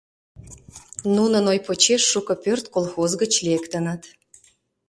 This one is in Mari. Нунын ой почеш шуко пӧрт колхоз гыч лектыныт.